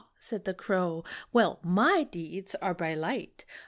said the crow, "Well my deeds are by light.